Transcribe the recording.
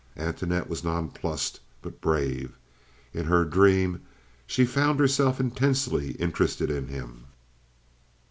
Antoinette was nonplussed, but brave. In her dream she found herself intensely interested in him.